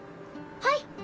はい！